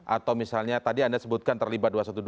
atau misalnya tadi anda sebutkan terlibat dua ratus dua belas